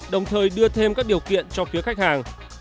đồng thời đưa thêm các điều kiện cho phía khách hàng